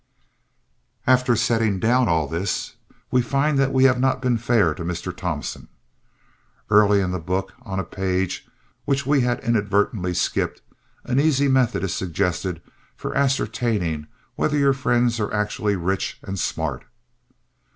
After setting down all this we find that we have not been fair to Mr. Thompson. Early in the book, on a page which we had inadvertently skipped, an easy method is suggested for ascertaining whether your friends are actually rich and smart.